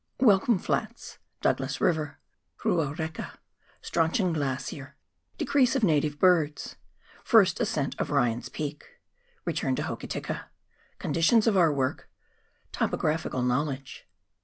Welcome Flats — Doug'las River — Ruareka — Strauchon Glacier — Decrease of Native Birds^First Ascent of Ryan's Peak — Retiim to Hokitika — Con ditions of our "Work — Topographical Knowledge.